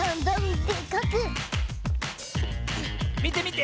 みてみて！